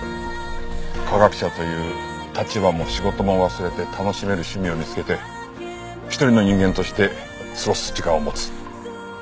科学者という立場も仕事も忘れて楽しめる趣味を見つけて一人の人間として過ごす時間を持つ。